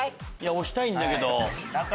押したいんだけど。